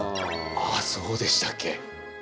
あっそうでしたっけ。